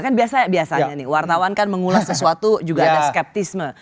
kan biasanya nih wartawan kan mengulas sesuatu juga ada skeptisme